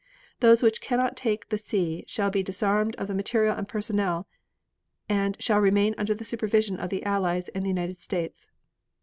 Those which cannot take the sea shall be disarmed of the material and personnel and shall remain under the supervision of the Allies and the United States.